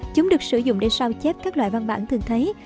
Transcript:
chúng được sử dụng để sao chép các loại văn bản thường thấy